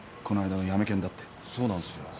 そうなんすよ。